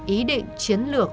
ý định chiến lược